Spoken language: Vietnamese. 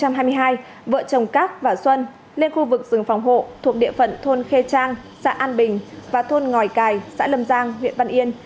lý thị xuân lên khu vực rừng phòng hộ thuộc địa phận thôn khê trang xã an bình và thôn ngòi cài xã lâm giang huyện văn yên